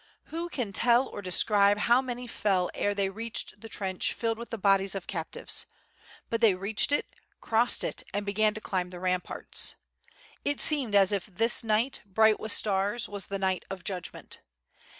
Who can tell or describe how many fell ere they reached the trench filled with the bodies of captives. But they reached it, crossed it, and began to climb the ramparts. It seemed as if this night, bright with stars, was the night of Judgment.